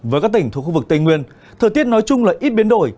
với các tỉnh thuộc khu vực tây nguyên thời tiết nói chung là ít biến đổi